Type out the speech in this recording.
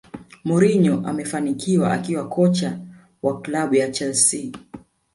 Mourinho amefanikiwa akiwa kocha wa klabu ya chelsea